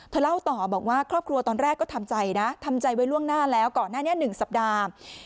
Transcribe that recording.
เล่าต่อบอกว่าครอบครัวตอนแรกก็ทำใจนะทำใจไว้ล่วงหน้าแล้วก่อนหน้านี้๑สัปดาห์